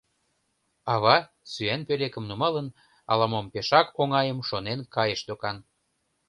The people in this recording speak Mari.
Ава, сӱан пӧлекым нумалын, ала-мом пешак оҥайым шонен кайыш докан.